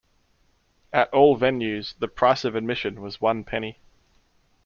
At all venues the price of admission was one penny.